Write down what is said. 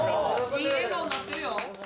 いい笑顔になってるよ。